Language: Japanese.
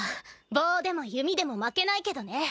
棒でも弓でも負けないけどね。